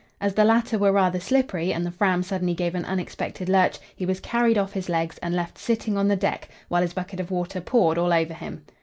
As the latter were rather slippery, and the Fram suddenly gave an unexpected lurch, he was carried off his legs, and left sitting on the deck, while his bucket of water poured all over him.